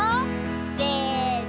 せの。